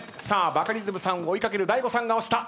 バカリズムさんを追い掛ける大悟さん押した。